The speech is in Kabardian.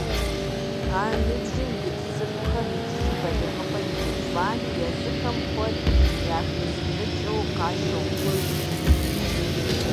А ныбжьым ит цӏыкӏухэр иджыри балигъыпӏэ имыувами, езыхэм куэд яхыззфӏэкӏыу къащохъуж.